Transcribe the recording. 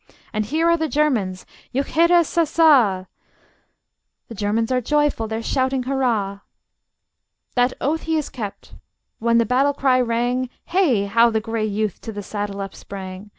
And here are the Germans: juchheirassassa! The Germans are joyful: they're shouting hurrah! That oath he has kept. When the battle cry rang, Hey! how the gray youth to the saddle upsprang!